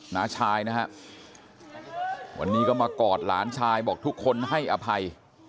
น้าชายนะฮะวันนี้ก็มากอดหลานชายบอกทุกคนให้อภัย